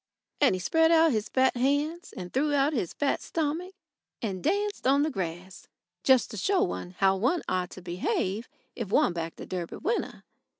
And he spread out his fat hands and threw out his fat stomach, and danced on the grass, just to show one how one ought to behave if one backed a Derby winner.